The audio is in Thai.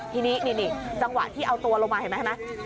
ทีนี้นี่จังหวะที่เอาตัวลงมาเห็นไหม